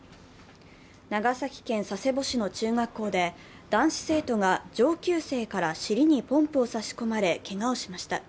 長崎県佐世保市の中学校で男子生徒が上級生から尻にポンプを差し込まれけがをしました。